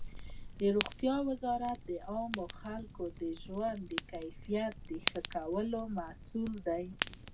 روغتیا وزارت د عامو خلکو د ژوند د کیفیت د ښه کولو مسؤل دی.